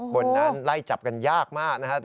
บนนั้นไล่จับกันยากมากนะครับ